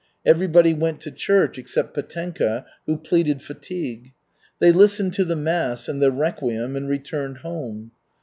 Everybody went to church except Petenka, who pleaded fatigue. They listened to the mass and the requiem and returned home.